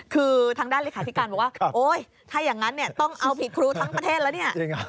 คือทางด้านเลขาธิการบอกว่าโอ๊ยถ้าอย่างนั้นเนี่ยต้องเอาผิดครูทั้งประเทศแล้วเนี่ย